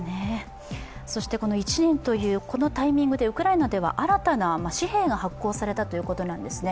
そしてこの１年というこのタイミングでウクライナでは新たな紙幣が発行されたということなんですね。